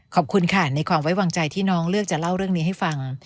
ขอบคุณค่ะในความไว้วางใจที่น้องเลือกจะเล่าเรื่องนี้ให้ฟัง